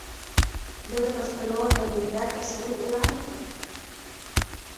ده د پښتنو د مليت تصور وړاندې کړ